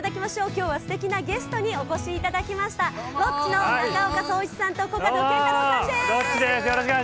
今日はすてきなゲストにお越しいただきましたロッチの中岡創一さんとコカドケンタロウさんです。